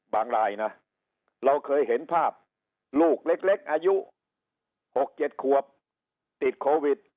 รายนะเราเคยเห็นภาพลูกเล็กอายุ๖๗ควบติดโควิด